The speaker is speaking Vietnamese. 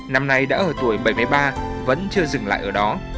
năm nay đã ở tuổi bảy mươi ba vẫn chưa dừng lại ở đó